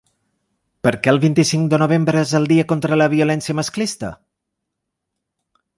Per què el vint-i-cinc de novembre és el dia contra la violència masclista?